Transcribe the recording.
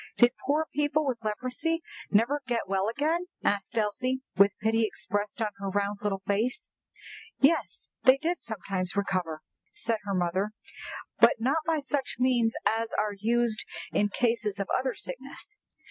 "Did poor people with leprosy never get well again?" asked Elsie, with pity expressed on her round little face. "Yes, they did sometimes recover," said her mother, "but not by such means as are used in cases of other sickness.